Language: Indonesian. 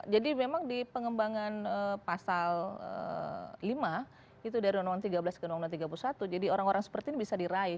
jadi memang di pengembangan pasal lima itu dari dua ribu tiga belas ke dua ribu tiga puluh satu jadi orang orang seperti ini bisa diraih